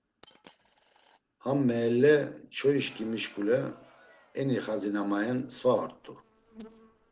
Ham meelle, çoyişǩimi şuǩule eni xazi na maen sva ort̆u.